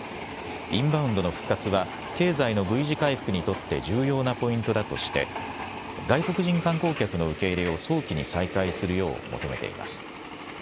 インバウンドの復活は経済のＶ字回復にとって重要なポイントだとして外国人観光客の受け入れを早期に再開するよう求めています。